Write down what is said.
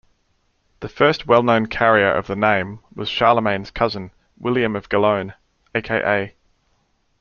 The first well-known carrier of the name was Charlemagne's cousin William of Gellone, a.k.a.